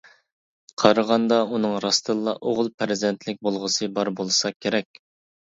قارىغاندا ئۇنىڭ راستتىنلا ئوغۇل پەرزەنتلىك بولغۇسى بار بولسا كېرەك.